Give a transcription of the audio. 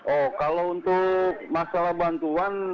oh kalau untuk masalah bantuan